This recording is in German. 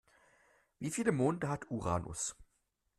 Wie viele Monde hat Uranus?